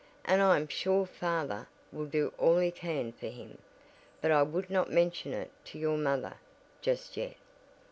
And I am sure father will do all he can for him: but I would not mention it to your mother, just yet."